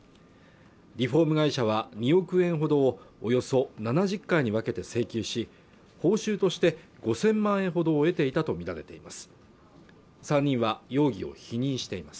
リフォーム会社は２億円ほどをおよそ７０回に分けて請求し報酬として５０００万円ほどを得ていたと見られています